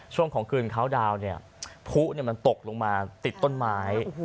ช่วงของคืนเขาดาวนเนี่ยผู้มันตกลงมาติดต้นไม้